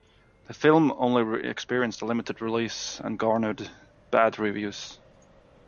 The film only experienced a limited release, and garnered bad reviews.